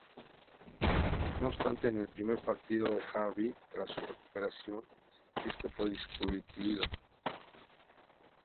No obstante, en el primer partido de Harvey tras su recuperación este fue destituido.